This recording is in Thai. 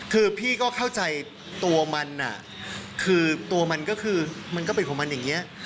คือพี่ก็เข้าใจตัวมันคือตัวมันก็คือมันก็เป็นของมันอย่างนี้